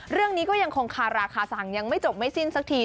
เรื่องนี้ก็ยังคงคาราคาสั่งยังไม่จบไม่สิ้นสักที